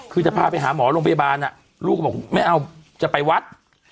คือจะพาไปหาหมอโรงพยาบาลลูกก็บอกไม่เอาจะไปวัด